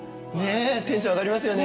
テンション上がりますよね。